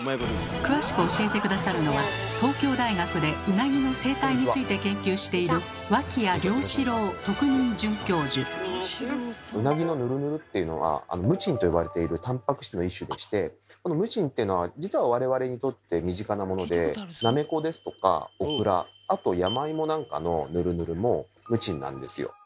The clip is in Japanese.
詳しく教えて下さるのは東京大学でウナギの生態について研究しているウナギのヌルヌルっていうのは「ムチン」と呼ばれているたんぱく質の一種でしてムチンというのは実はなめこですとかオクラあと山芋なんかのヌルヌルもムチンなんですよ。